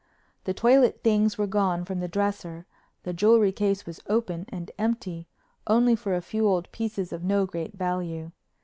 The toilet things were gone from the dresser; the jewelry case was open and empty, only for a few old pieces of no great value.